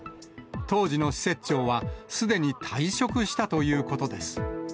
当時の施設長は、すでに退職したということです。